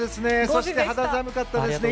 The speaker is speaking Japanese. そして肌寒かったですね。